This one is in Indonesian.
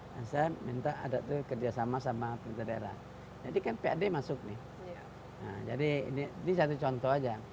saya minta ada tuh kerjasama sama pemerintah daerah jadi kan pad masuk nih jadi ini satu contoh aja